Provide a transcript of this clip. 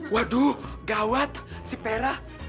waduh gawat si pera